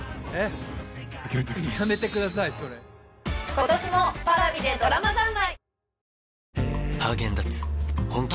今年もＰａｒａｖｉでドラマ三昧